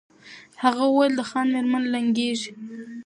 هغه وویل د خان مېرمن لنګیږي